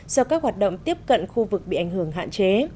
do các hoạt động tiếp cận khu vực bị ảnh hưởng hạn chế